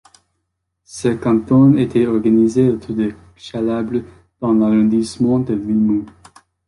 Ce canton était organisé autour de Chalabre dans l'arrondissement de Limoux.